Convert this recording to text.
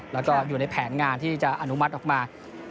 แล้วก็อยู่ในแผนงานที่จะอนุมัติออกมา